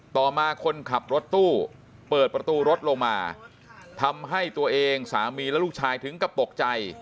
ต่อมาคนขับรถตู้เปิดประตูรถลงมาทำให้ตัวเองสามีและลูกชายถึงกับตกใจ